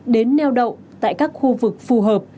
đến neo đậu tại các khu vực phù hợp